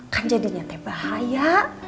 kan jadinya teh bahaya